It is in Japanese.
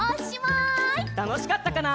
たのしかったかな？